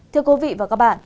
thưa quý vị và các bạn